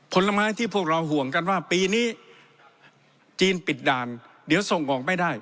ผลไม้ที่พวกเราห่วงกันว่าปีนี้จีนปิดด่านเดี๋ยวส่งออกไม่ได้